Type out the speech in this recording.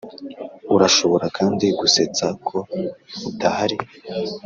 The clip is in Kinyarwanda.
urashobora kandi gusetsa ko udahari,